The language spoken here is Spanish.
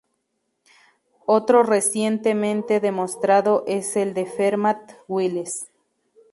Otro recientemente demostrado es el de Fermat-Wiles.